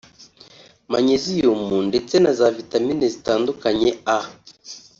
manyeziyumu ndetse na za vitamine zitandukanye A